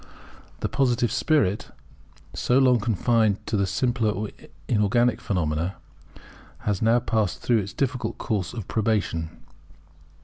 The Positive spirit, so long confined to the simpler inorganic phenomena, has now passed through its difficult course of probation.